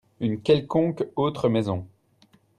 Une quelconque autre maison.